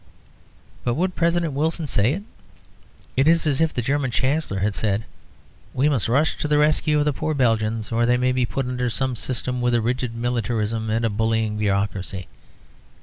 But would President Wilson say it? It is as if the German Chancellor had said, "We must rush to the rescue of the poor Belgians, or they may be put under some system with a rigid militarism and a bullying bureaucracy."